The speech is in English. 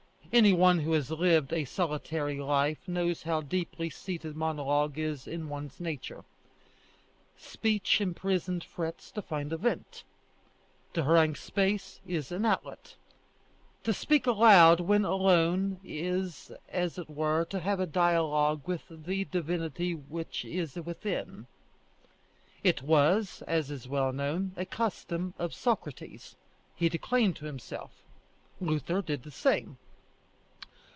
Any one who has lived a solitary life knows how deeply seated monologue is in one's nature. Speech imprisoned frets to find a vent. To harangue space is an outlet. To speak out aloud when alone is as it were to have a dialogue with the divinity which is within. It was, as is well known, a custom of Socrates; he declaimed to himself. Luther did the same.